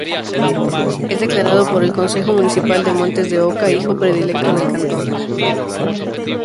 Es declarado por el Concejo Municipal de Montes de Oca, Hijo Predilecto del Cantón.-